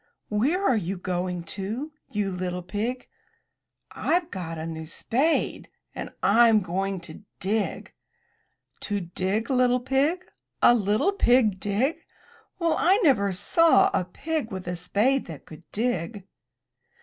"Where are you going to, you little pig?'* "Fve got a new spade, and Fm going to dig.*' "To dig, little pig? A little pig dig! Well, I never saw a pig with a spade that could dig!''